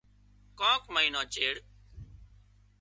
ڪانڪ مئينا چيڙ